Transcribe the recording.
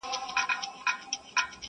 ژبور او سترګور دواړه په ګور دي٫